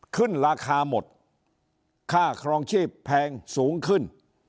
ขึ้นราคาหมดค่าครองชีพแพงสูงขึ้น